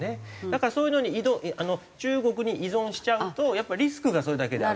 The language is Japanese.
だからそういうのに中国に依存しちゃうとやっぱりリスクがそれだけで。